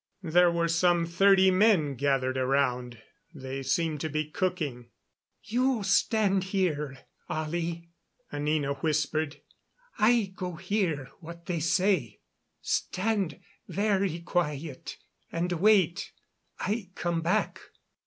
There were some thirty men gathered around; they seemed to be cooking. "You stand here, Ollie," Anina whispered. "I go hear what they say. Stand very quiet and wait. I come back."